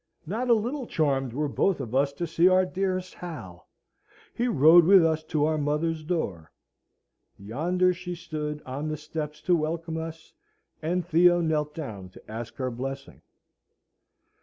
Not a little charmed were both of us to see our dearest Hal. He rode with us to our mother's door. Yonder she stood on the steps to welcome us; and Theo knelt down to ask her blessing.